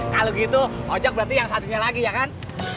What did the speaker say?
kalau gitu ojok berarti yang satunya lagi ya kan